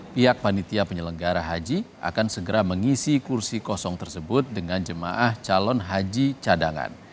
pihak panitia penyelenggara haji akan segera mengisi kursi kosong tersebut dengan jemaah calon haji cadangan